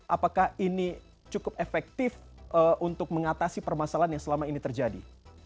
apakah ini cukup efektif untuk mengatasi permasalahan yang selama ini terjadi